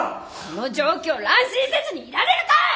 この状況乱心せずにいられるか！